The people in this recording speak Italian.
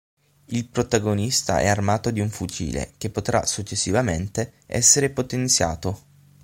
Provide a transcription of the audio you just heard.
Il protagonista è armato di un fucile che potrà successivamente essere potenziato.